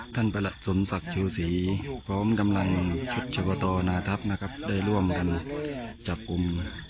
ประหลัดสมศักดิ์ชูศรีพร้อมกำลังชุดชวตนาทัพนะครับได้ร่วมกันจับกลุ่ม